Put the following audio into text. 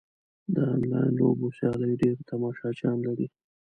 د انلاین لوبو سیالۍ ډېر تماشچیان لري.